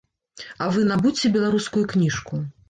А вы набудзьце беларускую кніжку.